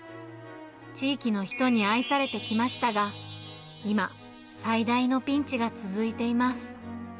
地域の人に愛されてきましたが、今、最大のピンチが続いています。